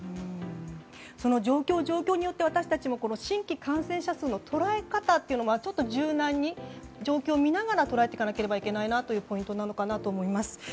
その状況によって私たちも新規感染者数の捉え方をちょっと柔軟に状況を見ながら捉えていかなければいけないポイントなのかなと思います。